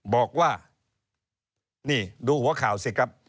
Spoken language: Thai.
บอกว่านี่ดูหัวข่าวสิครับ